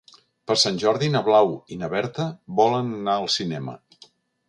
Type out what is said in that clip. Per Sant Jordi na Blau i na Berta volen anar al cinema.